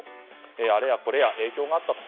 あれやこれや影響があったと。